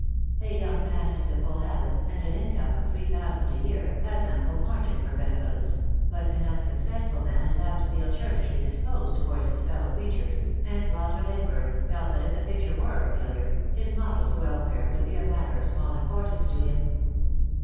A young man of simple habits and an income of three thousand a year has ample margin for bene volence; but an unsuccessful man is apt to feel churlishly disposed towards his fellow creatures, and Walter Leyburne felt that if the picture were a failure, his model's welfare would be a matter of small importance to him.